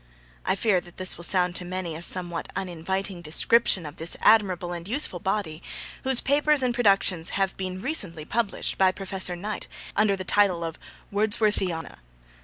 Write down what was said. I fear that this will sound to many a somewhat uninviting description of this admirable and useful body, whose papers and productions have been recently published by Professor Knight, under the title of Wordsworthiana.